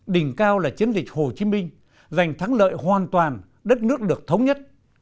đỉnh cao là chiến dịch hồ chí minh giành thắng lợi hoàn toàn đất nước được thống nhất